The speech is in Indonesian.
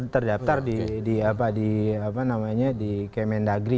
terdaftar di apa namanya di kmn dagri